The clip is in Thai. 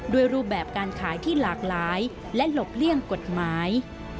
รูปแบบการขายที่หลากหลายและหลบเลี่ยงกฎหมาย